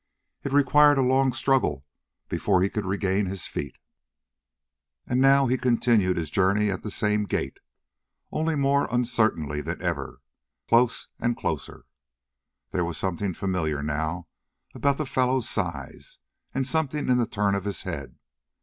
It required a long struggle before he could regain his feet; and now he continued his journey at the same gait, only more uncertainly than ever, close and closer. There was something familiar now about the fellow's size, and something in the turn of his head.